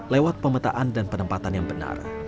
lewat pemetaan dan penempatan yang benar